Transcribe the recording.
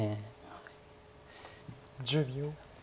１０秒。